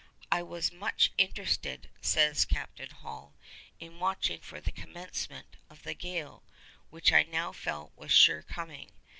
'I was much interested,' says Captain Hall, 'in watching for the commencement of the gale, which I now felt sure was coming.